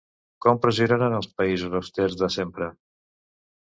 Com pressionaran els països “austers” de sempre?